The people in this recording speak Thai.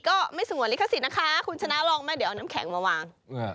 ก็ไม่สงวนลิขสิทธิ์นะคะคุณชนะลองไหมเดี๋ยวเอาน้ำแข็งมาวาง